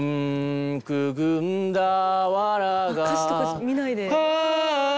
歌詞とか見ないで。